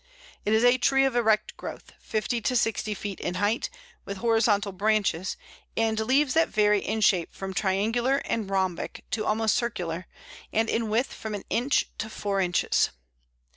It is a tree of erect growth, fifty to sixty feet in height, with horizontal branches, and leaves that vary in shape from triangular and rhombic to almost circular, and in width from an inch to four inches.